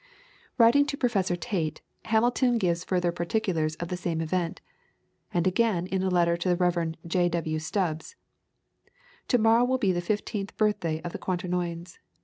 Writing to Professor Tait, Hamilton gives further particulars of the same event. And again in a letter to the Rev. J. W. Stubbs: "To morrow will be the fifteenth birthday of the Quaternions.